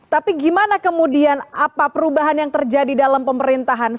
tapi bagaimana kemudian apa perubahan yang terjadi dalam pemerintahan